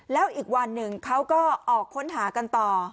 แล้วอีกวันหนึ่งเขาก็ออกค้นหากันต่อ